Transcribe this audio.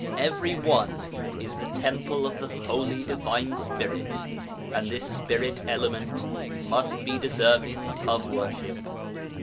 Every one is the temple of the holy (divine) Spirit, and this Spirit element must be deserving of worship.